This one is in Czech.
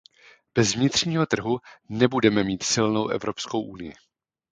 Bez vnitřního trhu nebudeme mít silnou Evropskou unii.